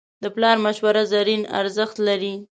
د پلار مشوره زرین ارزښت لري.